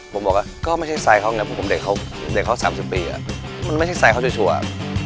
ผมบอกว่าก็ไม่ใช่สไตล์เขาผมเด็กเขา๓๐ปีมันไม่ใช่สไตล์เขาชัวร์